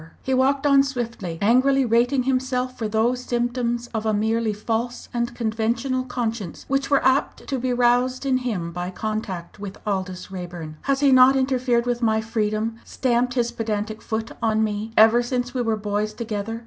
He walked on swiftly, angrily rating himself for those symptoms of a merely false and conventional conscience which were apt to be roused in him by contact with Aldous Raeburn. "Has he not interfered with my freedom stamped his pedantic foot on me ever since we were boys together!